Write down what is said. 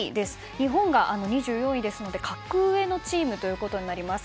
日本が２４位ですので格上のチームとなります。